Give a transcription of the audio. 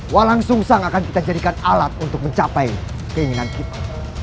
walang sungsang akan kita jadikan alat untuk mencapai keinginan kita